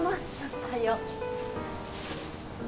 おはよう。